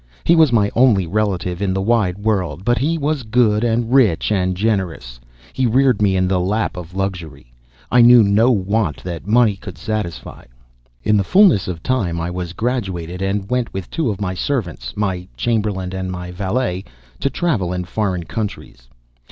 He was my only relative in the wide world; but he was good and rich and generous. He reared me in the lap of luxury. I knew no want that money could satisfy. In the fullness of time I was graduated, and went with two of my servants my chamberlain and my valet to travel in foreign countries.